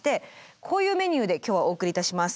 こういうメニューで今日はお送りいたします。